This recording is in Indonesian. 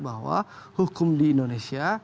bahwa hukum di indonesia